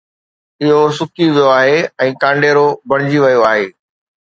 اُهو سُڪي ويو آهي ۽ ڪانڊيرو بڻجي ويو آهي